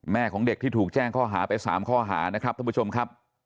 ของเด็กที่ถูกแจ้งข้อหาไป๓ข้อหานะครับท่านผู้ชมครับ